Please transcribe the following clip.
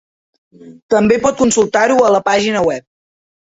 També pot consultar-ho a la pàgina web.